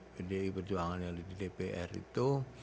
pdi perjuangan yang di dpr itu